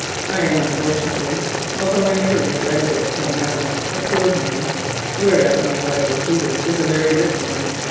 I am unfortunately—although I never regretted it till now—a poor man, whereas my rival suitor is a rich one.